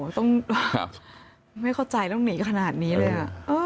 ต้องไม่เข้าใจต้องหนีขนาดนี้เลย